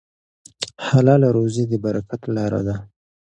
حلاله روزي د برکت لاره ده.